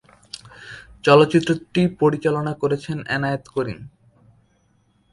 চলচ্চিত্রটি পরিচালনা করেছেন এনায়েত করিম।